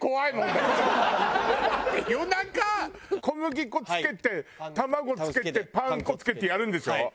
だって夜中小麦粉つけて卵つけてパン粉つけてやるんでしょ？